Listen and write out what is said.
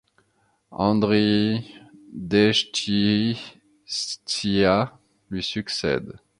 Andriï Dechtchytsia lui succède.